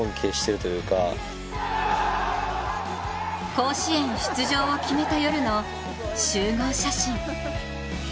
甲子園出場を決めた夜の集合写真。